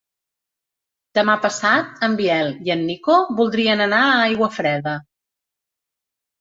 Demà passat en Biel i en Nico voldrien anar a Aiguafreda.